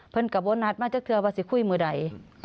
เพื่อนกลับบนนัดมาเจอกับเธอว่าสิคุยในมือใด